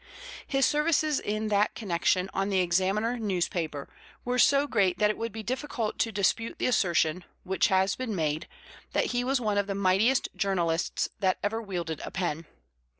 His services in that connection on the Examiner newspaper were so great that it would be difficult to dispute the assertion, which has been made, that he was one of the mightiest journalists that ever wielded a pen.